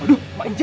aduh mak ija